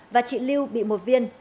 và chị lưu bị một viên